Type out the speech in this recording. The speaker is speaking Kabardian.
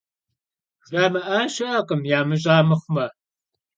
Jjamı'a şı'ekhım, yamış'a mıxhume.